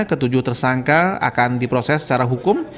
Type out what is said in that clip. ketujuh tersangka akan diproses secara hukum